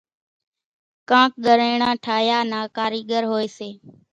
ڪانڪ ڳريڻان ٺاۿيا نا ڪاريڳر هوئيَ سي۔